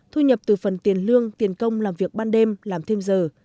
thu nhập từ phần tiền lương tiền công làm việc ban đêm làm thêm giờ